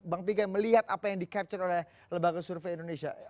bang pigai melihat apa yang di capture oleh lembaga survei indonesia